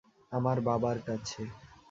আমার বাবার কাছে।